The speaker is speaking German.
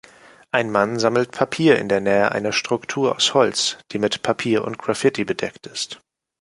Ein Mann sammelt Papier in der Nähe einer Struktur aus Holz, die mit Papier und Graffiti bedeckt ist.